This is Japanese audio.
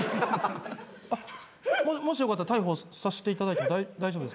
もしよかったら逮捕させていただいても大丈夫ですか？